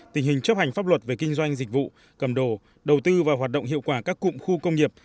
tình hình chấp hành pháp luật về kinh doanh dịch vụ cầm đồ đầu tư và hoạt động hiệu quả các cụm khu công nghiệp